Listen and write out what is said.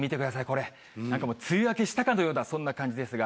これ、なんかもう梅雨明けしたかのような、そんな感じですが。